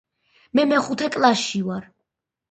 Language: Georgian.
მე მეხუთე კლასში ვარ